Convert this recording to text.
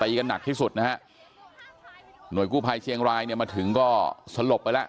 กันหนักที่สุดนะฮะหน่วยกู้ภัยเชียงรายเนี่ยมาถึงก็สลบไปแล้ว